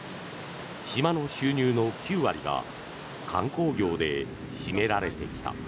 島の収入の９割が観光業で占められてきた。